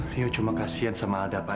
rio cuma kasian sama ada pak